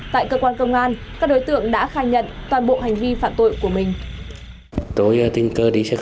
tại cơ quan công an các đối tượng đã khai nhận toàn bộ hành vi phạm tội của mình